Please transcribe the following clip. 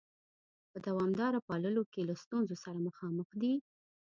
په دوامداره پاللو کې له ستونزو سره مخامخ دي؟